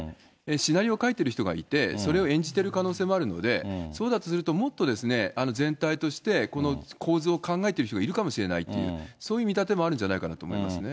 シナリオ書いてる人がいて、それを演じてる可能性もあるので、そうだとすると、もっと全体としてこの構図を考えている人がいるかもしれないっていう、そういう見立てもあるんじゃないかと思いますね。